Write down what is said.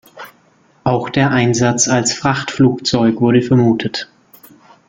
Auch der Einsatz als Frachtflugzeug wurde vermutet.